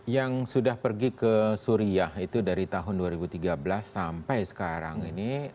yang sudah pergi ke suriah itu dari tahun dua ribu tiga belas sampai sekarang ini